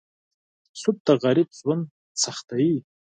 سود د غریب ژوند سختوي.